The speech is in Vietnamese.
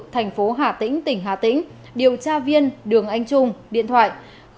thành phố hà tĩnh tỉnh hà tĩnh điều tra viên đường anh trung điện thoại chín trăm một mươi một hai trăm linh một năm trăm sáu mươi bảy